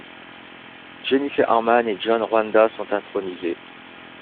Jennifer Harman et John Juanda sont intronisés.